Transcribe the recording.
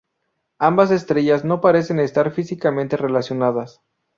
Ambas estrellas no parecen estar físicamente relacionadas.